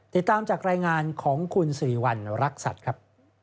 ติดตามจากรายงานของคุณสิริวัณรักษัตริย์ครับ